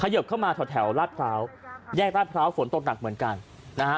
เหยิบเข้ามาแถวลาดพร้าวแยกราชพร้าวฝนตกหนักเหมือนกันนะฮะ